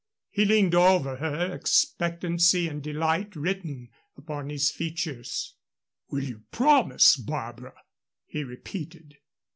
He leaned over her, expectancy and delight written upon his features. "Will you promise, Barbara?" he repeated.